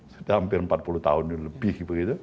sudah hampir empat puluh tahun lebih